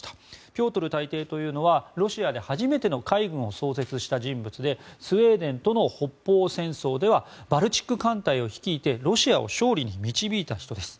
ピョートル大帝というのはロシアで初めての海軍を創設した人物でスウェーデンとの北方戦争ではバルチック艦隊を率いてロシアを勝利に導いた人です。